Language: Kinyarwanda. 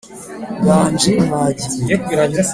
Nganji mwagiye